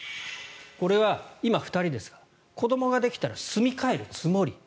これは今、２人ですが子どもができたら住み替えるつもり。